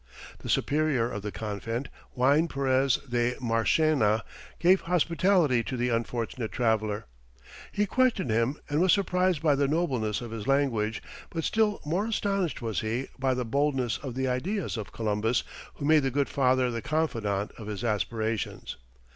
The superior of the convent, Juan Perez de Marchena, gave hospitality to the unfortunate traveller. He questioned him, and was surprised by the nobleness of his language, but still more astonished was he, by the boldness of the ideas of Columbus, who made the good Father the confidant of his aspirations.